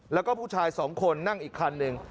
แล้วก็ผู้ชายสองคนนั่งอีกคันหนึ่ง